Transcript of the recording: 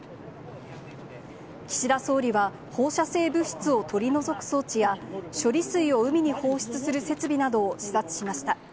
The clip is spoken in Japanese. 岸田総理は、放射性物質を取り除く装置や、処理水を海に放出する設備などを視察しました。